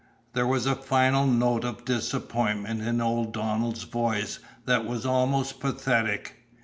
There was a final note of disappointment in old Donald's voice that was almost pathetic.